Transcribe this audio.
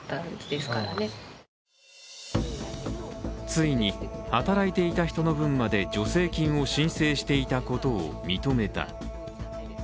ついに、働いていた人の分まで助成金を申請していたことを認めた。